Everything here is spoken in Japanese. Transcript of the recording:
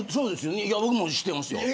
僕も知ってますよ。